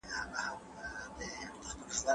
موږ په اخترونو کې د خپلو دوستانو لیدو ته ځو.